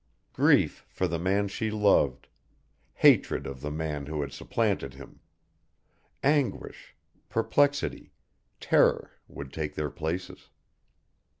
Grief for the man she loved, hatred of the man who had supplanted him, anguish, perplexity, terror, would take their places.